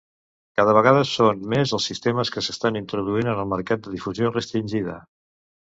Cada vegada són més els sistemes que s'estan introduint en el mercat de difusió restringida.